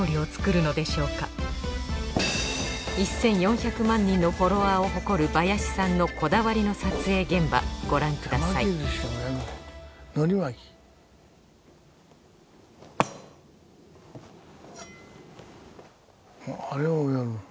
１４００万人のフォロワーを誇るバヤシさんのこだわりの撮影現場ご覧くださいあれをやるの？